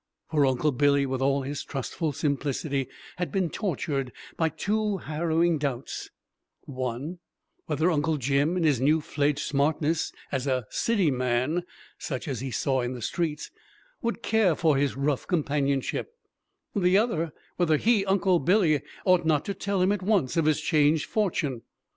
For Uncle Billy, with all his trustful simplicity, had been tortured by two harrowing doubts: one, whether Uncle Jim in his new fledged smartness as a "city" man such as he saw in the streets would care for his rough companionship; the other, whether he, Uncle Billy, ought not to tell him at once of his changed fortune.